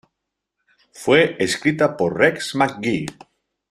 Fue escrita por Rex McGee.